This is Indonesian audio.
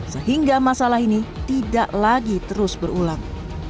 sehingga masalah ini tidak lagi terus berulang